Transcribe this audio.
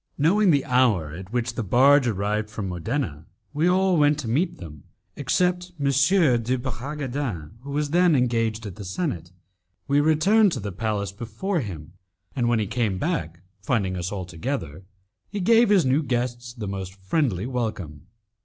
Knowing the hour at which the barge arrived from Modena, we all went to meet them, except M. de Bragadin, who was engaged at the senate. We returned to the palace before him, and when he came back, finding us all together, he gave his new guests the most friendly welcome.